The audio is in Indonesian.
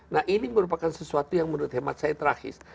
nah ini merupakan sesuatu yang menurut hemat saya terakhir